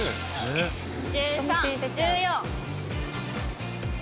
１３・１４。